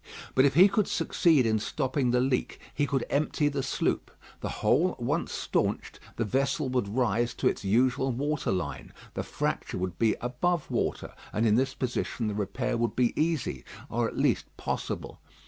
But if he could succeed in stopping the leak, he could empty the sloop; the hole once staunched, the vessel would rise to its usual water line, the fracture would be above water, and in this position the repair would be easy, or at least possible.